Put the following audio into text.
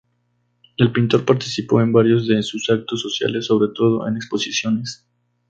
El pintor participó en varios de sus actos sociales, sobre todo en exposiciones.